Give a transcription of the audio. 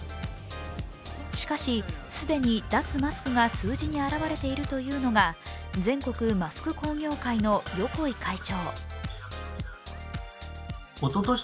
しかし、既に脱マスクが数字に表れているというのが全国マスク工業会の横井会長。